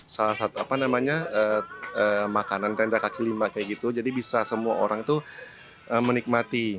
salah satu apa namanya makanan tenda kaki lima kayak gitu jadi bisa semua orang tuh menikmati